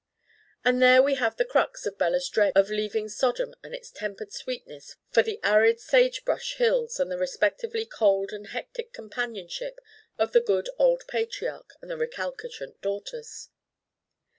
And there we have the crux of Bella's dread of leaving Sodom and its tempered sweetness for the arid sage brush hills and the respectively cold and hectic companionship of the good old patriarch and the recalcitrant daughters.